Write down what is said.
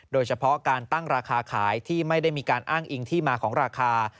โดยเฉพาะการตั้งราคาขายที่ไม่ได้มีการอ้างอิงที่มาของราคา